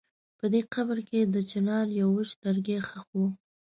په دې قبر کې د چنار يو وچ لرګی ښخ و.